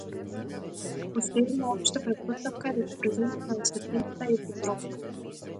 Уште една општа претпоставка е дека брзината на светлината е изотропна.